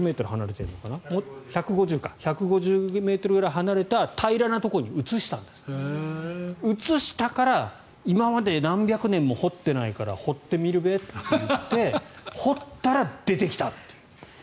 １５０ｍぐらい離れた平らなところに移したんですって移したから今まで何百年も掘っていないから掘ってみるべって言って掘ったら、出てきた！という。